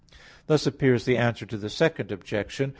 Thus appears the answer to the Second Objection.